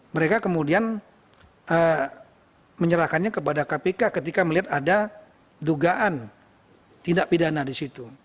mereka kemudian menyerahkannya kepada kpk ketika melihat ada dugaan tindak pidana di situ